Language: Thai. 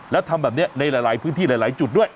แล้วทำแบบนี้ในหลายพื้นที่หลายจุดด้วย